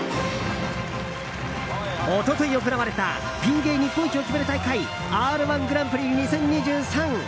一昨日行われたピン芸人日本一を決める大会「Ｒ‐１グランプリ２０２３」。